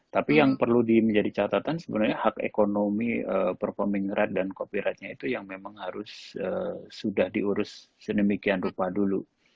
tapi yang perlu di menjadi catatan sebenarnya hak ekonomi performing rate dan copy ratenya itu yang memang harus sudah diurus sedemikian rupa dulu